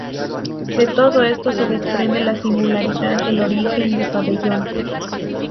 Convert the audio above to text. De todo esto se desprende la singularidad del origen de Pabellón.